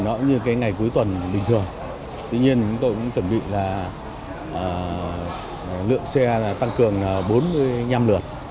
nó như ngày cuối tuần bình thường tuy nhiên chúng tôi cũng chuẩn bị lượng xe tăng cường bốn mươi năm lượt